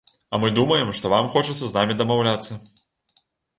А мы думаем, што вам хочацца з намі дамаўляцца.